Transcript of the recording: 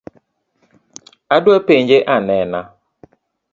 Adwa penje anena